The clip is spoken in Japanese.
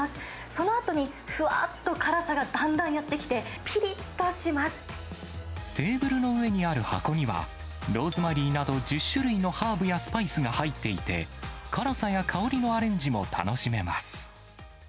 そのあとに、ふわっと辛さがだんテーブルの上にある箱には、ローズマリーなど、１０種類のハーブやスパイスが入っていて、辛さや香りのアレンジも楽しめます。